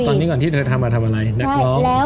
ตอนนี้ก่อนที่เธอทำมาทำอะไรนักร้อง